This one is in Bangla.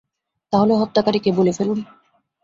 তাহলে হত্যাকারী কে বলে ফেলুন।